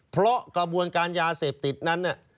เพราะกระบวนการยาเสพติดนั้น